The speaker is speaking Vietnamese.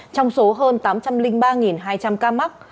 trong số hơn tám trăm linh ba hai trăm linh ca mắc